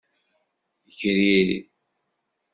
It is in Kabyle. Gri.